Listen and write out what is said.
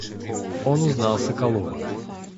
Он узнал Соколова.